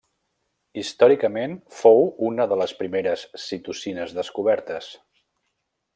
Històricament, fou una de les primeres citocines descobertes.